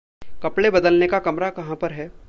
कपड़े बदलने का कमरा कहाँ पर है?